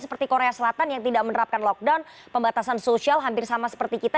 seperti korea selatan yang tidak menerapkan lockdown pembatasan sosial hampir sama seperti kita